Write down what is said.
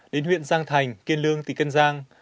đến huyện giang thành kiên lương tỉ kiên giang